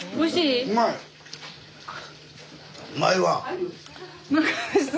うまいわ！